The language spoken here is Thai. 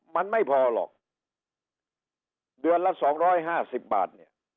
มันไม่พอหรอกเดือนละ๒๕๐บาท